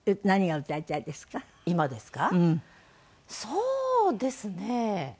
そうですね。